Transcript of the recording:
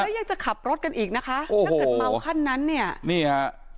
แล้วยังจะขับรถกันอีกนะคะถ้าเกิดเมาขั้นนั้นเนี่ยนี่ฮะ